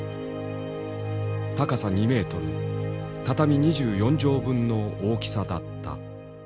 高さ２メートル畳２４畳分の大きさだった。